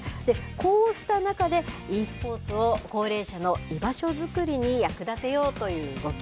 こうした中で、ｅスポーツを高齢者の居場所作りに役立てようという動き。